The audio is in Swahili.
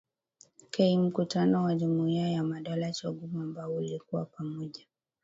K mkutano wa jumuiya ya madola chogum ambao ulikuwa pamoja